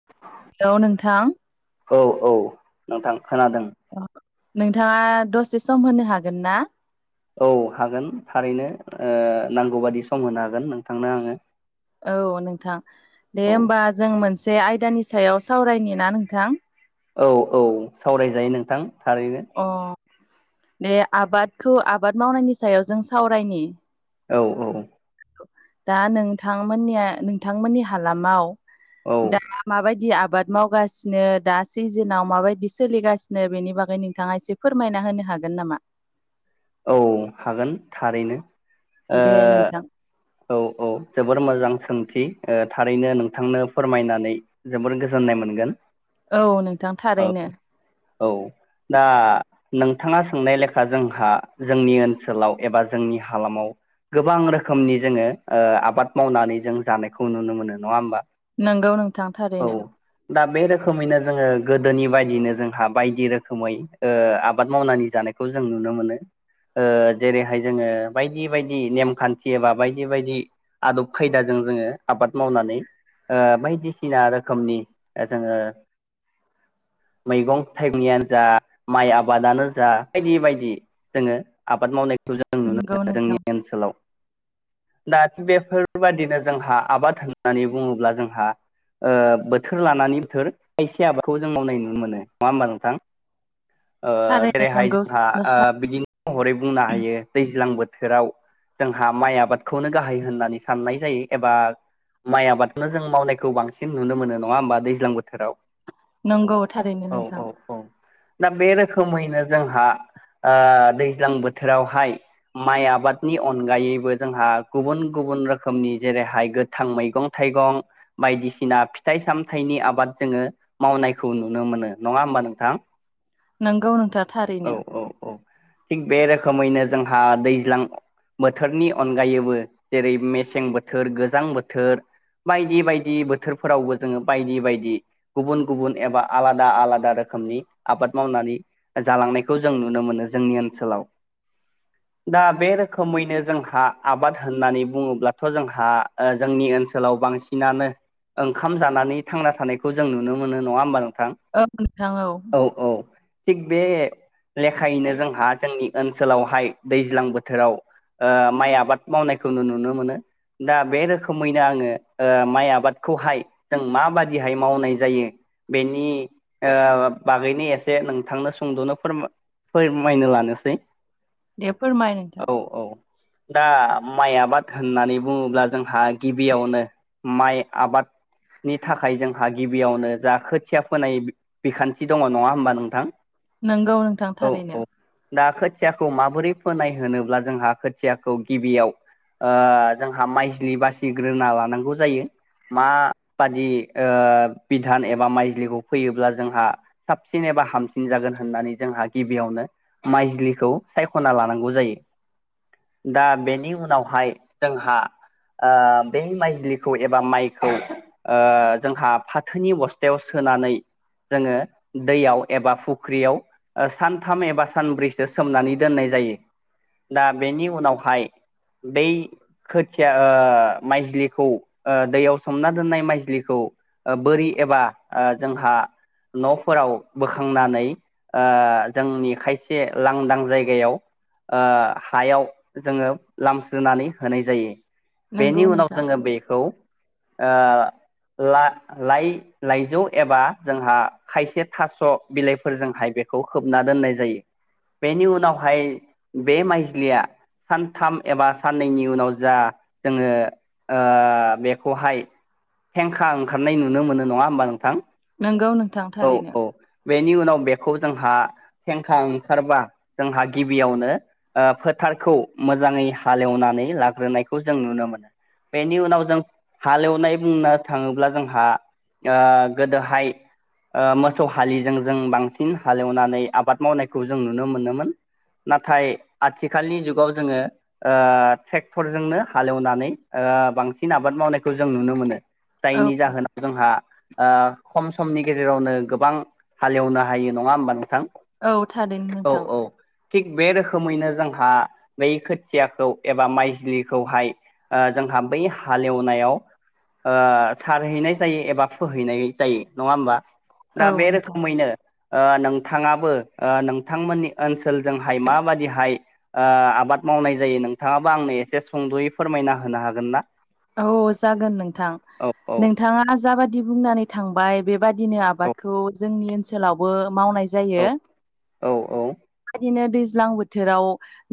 [inaudible] हेल' नोंथां औ औ नोंथां खोनादों नोंथाङा दसे सम होनो हागोन ना औ हागोन थारैनो ओ नांगौ बायदि सम होनो हागोन नोंथांनो आङो औ नोंथां दे औ होमबा जों मोनसे आयदानि सायाव सावरायनि ना नोंथां औ औ सावरायजायो नोंथां थारैनो अ दे आबादखौ आबाद मावनायनि सायाव जों सावरायनि औ औ दा नोंथांमोननिया नोंथांमोननि हालामाव औ दा माबायदि आबाद मावगासिनो दा सिजोनाव माबायदि सोलिगासिनो बेनि बागै नोंथाङा एसे फोरमायना होनो हागोन नामा? औ हागोन थारैनो ओ दे नोंथां औ औ जोबोर मोजां सोंथि थारैनो नोंथांनो फोरमायनानै जोबोर गोजोननाय मोनगोन औ नोंथां थारैनो औ दा नोंथाङा सोंनाय लेखा जोंहा जोंनि ओनसोलाव एबा जोंनि हालामाव गोबां रोखोमनि जोङो ओ आबाद मावनानै जों जानायखौ नुनो मोनो नङा होमबा नंगौ नोंथां औ थारैनो दा बे रोखोमैनो जोङो गोदोनि बायदिनो जोंहा बायदि रोखोमै आबाद मावनानै जानाय जों नुनो मोनो ओ जेरैहाय जोङो बायदि बायदि नेमखानथि एबा बायदि बेबायदि आदब खायदाजों जोङो आबाद मावनानै ओ बायदिसिना रोखोमनि जोङो मैगं थाइगंनियानो जा माइ आबादानो जा बायदि बायदि जोङो आबाद मावनायखौ जों नुनो नंगौ मोनो नोंथां जोंनि ओनसोलाव दा बेफोरबादिनो जोंहा आबाद होननानै बुङोब्ला जोंहा ओ बोथोर लानानै बोथोर खायसे आबादखौ जों मावनाय नुनो मोनो नङा होमबा नोंथां [inaudible] ् ओ जेरैहाय जोंहा आ बिदिनो महरै बुंनो हायो दैज्लां बोथोराव जोंहा माइ आबाद खौनो गाहाय होननानै साननाय जायो एबा माइ आबादखौनो जों मावनायखौ बांसिन नुनो मोनो नङा होमबा दैज्लां बोथोराव नंगौ थारैनो औ नोंथां औ औ दा बे रोखोमैनो जोंहा ओ दैज्लां बोथोरावहाय माइ आबादनि अनगायैबो जोंहा गुबुन गुबुन रोखोमनि जेरैहाय गोथां मैगं थाइगं बायदिसिना फिथाइ सामथाइनि आबाद जोङो मावनायखौ नुनो मोनो नङा होमबा नोंथां नंगौ नोंथां औ थारैनो औ औ थिग बे रोखोमैनो जोंहा दैज्लां बोथोरनि अनगायैबो जेरै मेसें बोथोर गोजां बोथोर बायदि बायदि बोथोरफोरावबो जोङो बायदि बायदि गुबुन गुबुन एबा आलादा आलादा रोखोमनि आबाद मावनानै जालांनायखौ जों नुनो मोनो जोंनि ओनसोलाव दा बे रोखोमैनो जोंहा आबाद होननानै बुङोब्लाथ' जोंहा ओ जोंनि ओनसोलाव बांसिनानो ओंखाम जानानै थांना थानायखौ जों नुनो मोनो नङा होमबा नोंथां औ नोंथां औ औ औ थिग बे लेखायैनो जोंहा जोंनि ओनसोलावहाय दैज्लां बोथोराव ओ माइ आबाद मावनायखौ नुनो मोनो दा बे रोखोमैनो आङो ओ माइ आबादखौहाय जों माबादिहाय मावनाय जायो बेनि ओ बागैनो एसे नोंथांनो सुंद'नो फोरमाय फोरमायनो लानोसै दे फोरमाय नोंथां औ औ दा माइ आबाद होननानै बुङोब्ला जोंहा गिबियावनो माइ आबाद नि थाखाय जोंहा गिबियावनो जा खोथिया फोनाय बिखान्थि दङ नङा होमबा नोंथां? नंगौ नोंथां औ थारैनो। औ दा खोथियाखौ माबोरै फोनाय होनोब्ला जोंहा खोथियाखौ गिबियाव जोंहा माइजलि बासिग्रोना लानांगौ जायो। माबादि बिधान एबा माइजलिखौ फैयोब्ला जोंहा साबसिन एबा हामसिन जागोन होननानै जोंहा गिबियावनो माइजलिखौ सायख'ना लानांगौ जायो दा बेनि उनाव उनावहाय जोंहा बे माइजलिखौ एबा माइखौ जोंहा फाथोनि बस्थायाव सोनानै जोङो दैयाव एबा फुख्रियाव सानथाम एबा सानब्रैसो सोमनानै दोननाय जायो दा बेनि उनावहाय दै खोथिया माइजलिखौ दैयाव सोमना दोननाय माइजलिखौ बोरि एबा जोंहा न'फोराव बोखांनानै जोंनि खायसे लांदां जायगायाव ओ हायाव जोङो लामस्रिानै होनाय जायो बेनि नंगौ उनाव नोंथां जोङो बेखौ ओ ला लाइ लाइजौ एबा जोंहा खायसे थास' बिलाइफोरजोंहाय बेखौ होबना दोननाय जायो। बेनि उनावहाय बे माइजलिया सथाम एबा साननैनि उनाव जा जोङो बेखौहाय फेंखा ओंखारनाय नुनो मोनो नङा होमबा नोंथां? नोंगौ नोंथां औ थारैनो। औ बेनि उनाव बेखौ जोंहा हेंखा ओंखारबा जोंहा गिबियावनो ओ फोथारखौ मोजाङै हालेवनानै लाग्रोनायखौ जों नुनो मोनो। बेनि उनाव जों हालेवनाय बुंनो थाङोब्ला जोंहा गोदोहाय मोसौ हलिजों जों बांसिन हालेवनानै आबाद मावनायखौ जों नुनो मोनोमोन। नाथाय आथिखालनि जुगाव जोङो ओ ट्रेक्टरजोंनो हालेवनानै ओ बांसिन आबाद मावनायखौ जों नुनो मोनो। औ दायनि जाहोना जोंहा खम समनि गेजेरावनो गोबां हालेवनो हायो नङा होमबा नोंथां? औ थारैनो औ नोंथां। औ थिग बे रोखोमैनो जोंहा बै खोथियाखौ एबा माइजलिखौहाय जोंहा बै हालेवनायाव सारहैनाय जायो एबा फोहैनाय जायो नङा होमबा? दा औ बे नोंथां रोखोमैनो ओ नोंथाङाबो ओ नोंथांमोननि ओनसोलजोंहाय माबादिहाय ओ आबाद मावनाय जायो नोंथाङाबा आंनो एसे सुंद'यै फोरमायना होनो हागोन ना? औ जागोन नोंथां औ औ नों नोंथाङा जाबादि बुंनानै थांबाय बेबादिनो औ आबादखौ जोंनि ओनसोलाव ओनसोलावबो मावनाय जायो औ औ औ बेबायदिनो दैज्लां बोथोर बोथोराव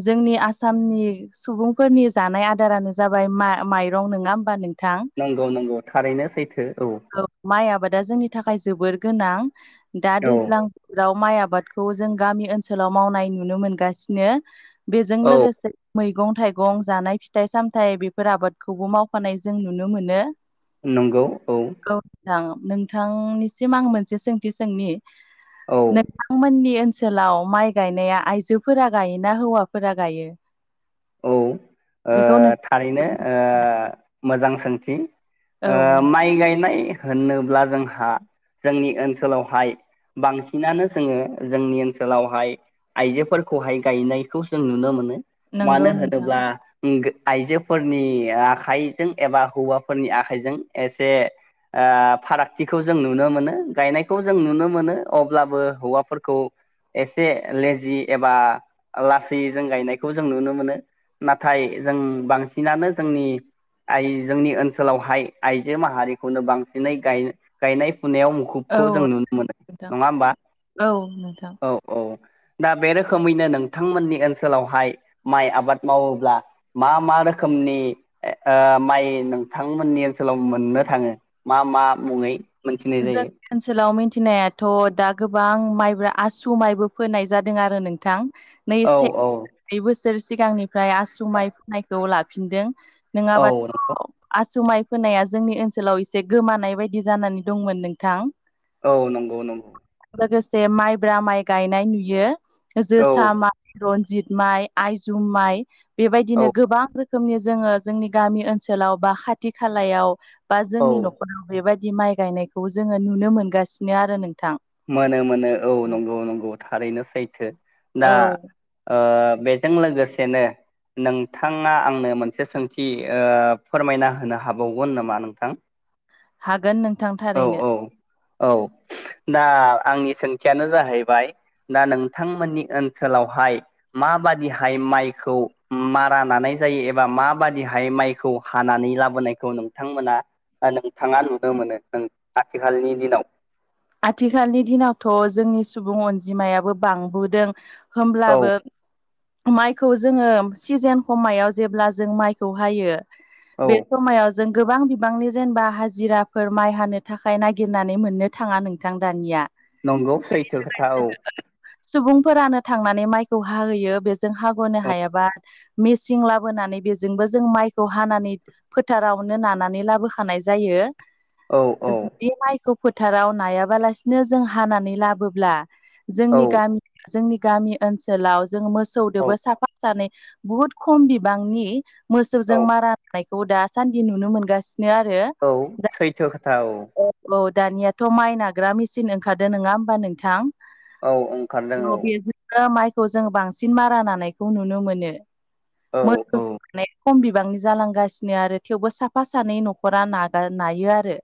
जोंनि आसामनि सुबुंफोरनि जानाय आदारानो जाबाय माइरं नङा होमबा नों नंगौ नगौ थारैनो सैथो औ माइ आबादा जोंनि थाखाय जोबोर गोनां दा औ दैज्लांफोराव माइ आबादखौ जों गामि ओनसोलाव मावनाय नुनो मोनगासिनो बेजों औ लोगोसे मैगं थाइगं जानाय फिथाइ सामथाइ बेफोर आबादखौबो मावफानाय जों नुनो मोनो। नंगौ औ औ नोंथां नोंथांनिसिम आं मोनसे सोंथि सोंनि औ नों आंमोननि ओनसोलाव माइ गायनाया आइजोफोरा गायोना हौवाफोरा गायो? औ ओ बेखौ नों थारैनो ओ मोजां सोंथि औ ओ माइ गायनाय होनोब्ला जोंहा जोंनि ओनसोलावहाय बांसिनानो जोङो जोंनि ओनसोलावहाय आइजोफोरखौहाय गायनायखौ जों नुनो मोनो मानो नंगौ नोंथां होनोब्ला आइजोफोरनि आखाइजों एबा हौवाफोरनि आखाइजों एसे ओ‌ फारागथिखौ जों नुनो मोनो। गायनायखौ जों नुनो मोनो अब्लाबो हौवाफोरखौ एसे लेजि एबा लासैजों गायनायखौ जों नुनो मोनो। नाथाय जों बांसिनानो जोंनि आइ जोंनि ओनसोलावहाय आइजो माहारिखौनो बांसिनै गाय गायनाय फुनायाव औ मुखुबखौ जों नुनो मोनो नोंथां नङा होमबा औ नोंथां औ औ दा बे रोखोमैनो नोंथांमोननि ओनसोलावहाय माइ आबाद मावोब्ला मा मा रोखोमनि ओ माइ नोंथांमोननि ओनसोलाव मोननो थाङो? मा मा मुङै मोनथिनाय जायो। जोंनि ओनसोलाव मिथिनायाथ' दा गोबां माइब्रा आसु माइबो फोनाय जादों आरो नोंथां। नै औ से औ नै बोसोर सिगांनिफ्राय आसु माइ फोनायखौ लाफिनदों औ नोङाबाथ' नंगौ आसु माइ फोनाया जोंनि ओनसोलाव एसे गोमानाय बायदि जानानै दंमोन नोंथां औ नंगौ नंगौ लोगोसे माइब्रा माइ गायनाय नुयो औ जोसा मा रनजित माइ आइजुम माइ बेबायदिनो गोबां रो रोखोमनि जोङो जोंनि गामि ओनसोलाव बा खाथि खालायाव बा औ जोंनि न'खराव बेबायदि बिदि माइ गायनायखौ जोङो नुनो मोनगासिनो आरो नोंथां। मोनो मोनो औ नंगौ नंगौ थारैनो सैथो दा औ ओ बेजों लोगोसेनो नोंथाङा आंनो मोनसे सोंथि ओ फोरमायना होनो हाबावगोन नामा नोंथां? हागोन नोंथां औ थारैनो औ औ दा आंनि सोंथियानो जाहैबाय दा नोंथांमोननि ओनसोलावहाय मा बादिहाय माइखौ मारा नानाय जायो एबा मा बादिहाय माइ खौ हानानै लाबोनायखौ नोंथांमोना बा नोंथाङा नुनो मोनो। नों आथिखालनि दिनाव आथिखालनि दिनावथ' जोंनि सुबुं अनजिमायाबो बांबोदों औ होमब्लाबो माइखौ जोङो सिजेन खमायाव जेब्ला जों माइखौ हायो औ बे समायाव जों गोबां बिबांनि जेनबा हाजिराफोर माइ हानो थाखाय नागिरनानै मोननो थाङा नोंथां दानिया नंगौ सैथो खोथा औ सुबुंफोरानो थांनानै माइखौ हाहोयो बेजों हाग'नो औ हायाबा मेचिं लाबोनानै बेजोंबो जों माइखौ हानानै फोथारावनो नानानै लाबोखानाय जायो औ औ बे माइखौ फोथाराव नायाबालासिनो जों हानानै लाबोब्ला औ जोंनि गामि जोंनि गामि ओनसोलाव जों औ मोसौदोबो साफा सानै बुहुद खम बिबांनि औ मोसौजों मारा होनानायखौ दासानदि नुनो मोनगासिनो आरो औ सैथो खोथा औ औ औ दानियाथ' माइ नाग्रा मिसिन ओंखारदो नोङा होमबा नोंथां औ ओंखारदों औ बेजों ओ माइखौ जों बांसिन मारा नानायखौ नुनो मोनो औ मोसौ औ माने खम बिबांनि जालांगासिनो आरो थेवबो साफा सानै न'खरा नागा नायो आरो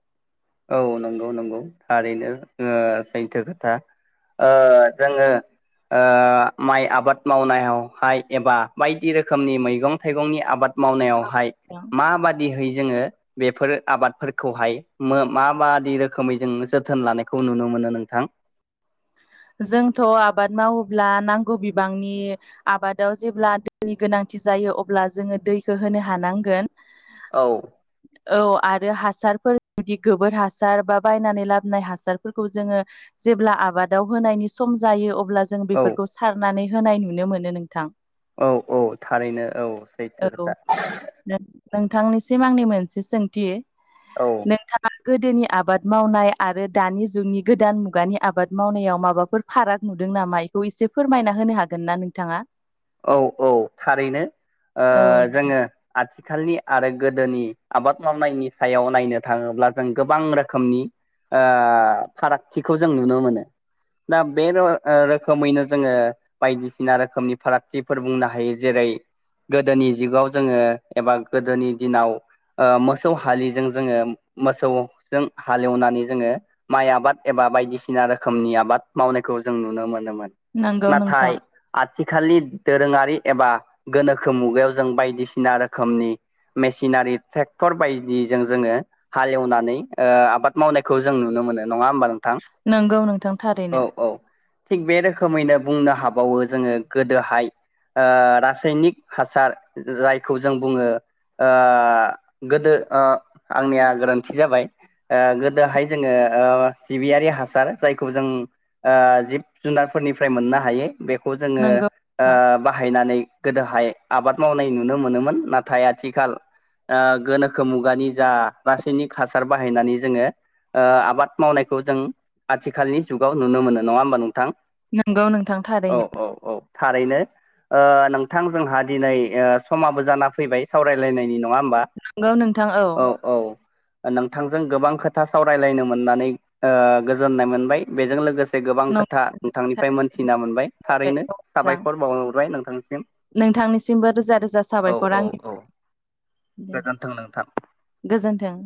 औ नंगौ नंगौ थारैनो ओ सैथो खोथा ओ जोङो ओ माइ आबाद मावनायावहाय एबा बायदि रोखोमनि मैगं थाइगंनि आबाद मावनायावहाय माबादिहै जोङो बेफोर आबादफोरखौहाय मो मा माबादि रोखोमै जों जोथोन लानायखौ नुनो मोनो नोंथां जोंथ' आबाद मावोब्ला नांगौ बिबांनि आबादाव जेब्ला दैनि गोनांथि जायो अब्ला जोङो दैखो होनो हानांगोन औ [inaudible] औ आरो हासारफोर जुदि गोबोर हासार बा बायनानै लाबोनाय हासारफोरखौ जोङो जेब्ला आबादाव होनायनि सम जायो अब्ला जों औ बेफोरखौ सारनानै होनाय नुनो मोनो नोंथां औ औ थारैनो औ सैथो औ खोथा नोंथांनिसिम आंनि मोनसे सोंथि औ नोंथाङा गोदोनि आबाद मावनाय आरो दानि जुगनि गोदान मुगानि आबाद मावनायाव माबाफोर फाराग नुदों नामा बेखौ एसे फोरमायना होनो हागोन ना नोंथाङा औ औ थारैनो औ जोङो आथिखालनि आरो गोदोनि आबाद मावनायनि सायाव नायनो थाङोब्ला जों गोबां रोखोमनि फारागथिखौ जों नुनो मोनो दा बे रोखोमैनो जोङो बायदिसिना रोखोमनि फाराग फोर बुंनो हायो जेरै गोदोनि जुगाव जोङो एबा गोदोनि दिनाव ओ मोसौ हालिजों जोङो मोसौजों हालेवनानै जोङो माइ आबाद एबा बायदिसिना रोखोमनि आबाद मावनायखौ जों नुनो मोनोमोन नंगौ नथाइ नोंथां आथिखालनि दोरोङारि एबा गोनोखो मुगायाव जों बायदिसिना रोखोमनि मेसिनारि ट्रेक्टर बायदिजों जोङो हालेवनानै ओ आबाद मावनायखौ जों नुनो मोनो नङा होमबा नों थां नंगौ नोंथां थारैनो औ औ थिग बे रोखोमैनो बुंनो हाबावो जोङो गोदोहाय रासायनिक हासार जायखौ जों बुङो गोदो आंनिया गोरोन्थि जाबाय ओ गोदोहाय जोङो सिबियारि हासार जायखौ जों जिब जुनारफोरनिफ्राय मोननो हायो बेखौ जोङो नंगौ नोंथां बाहायनानै गोदोहाय आबाद मावनाय नुनो मोनोमोन नाथाय आथिखाल ओ गोनोखो मुगानि जा रासायनिक हासार बाहायनानै जोङो आबाद मावनायखौ जों आथिखालनि जुगाव नुनो मोनो नङा होमबा नोंथां नंगौ नोंथां औ थारैनो औ औ थारैनो नोंथां जोंहा दिनै समाबो जाना फैबाय सावरायलायनायनि नङा होमबा नंगौ नोंथां औ औ नोंथांजों गोबां खोथा सावरायलायनो मोननानै गोजोननाय मोनबाय बेजों लोगोसे गोबां खोथा नोंथांनिफ्राय नोंथां मोनथिना मोनबाय थारैनो साबायखर बावहरबाय नोंथांसिम नोंथांनिसिमबो रोजा रोजा औ साबायखर औ आंनि औ गोजोन्थों नोंथां गोजोन्थों